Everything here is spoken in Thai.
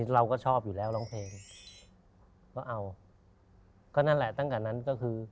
เราก็ชอบอยู่แล้วร้องเพลงก็เอาก็นั่นแหละตั้งแต่นั้นก็คือ